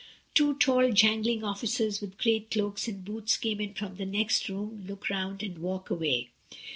(Two tall jangling officers with great cloaks and boots come in from the next room, look round and walk away.)